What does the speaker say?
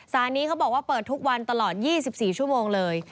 นี้เขาบอกว่าเปิดทุกวันตลอด๒๔ชั่วโมงเลย